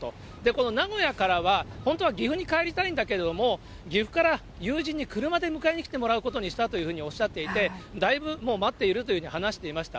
この名古屋からは、本当は岐阜に帰りたいんだけれども、岐阜から友人に車で迎えに来てもらうことにしたというふうにおっしゃっていて、だいぶ、もう待っているというように話していました。